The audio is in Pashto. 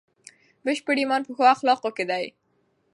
بشپړ ایمان په ښو اخلاقو کې دی.